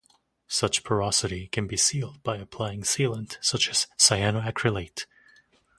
Such porosity can be sealed by applying sealant such as cyanoacrylate.